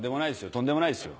とんでもないですよ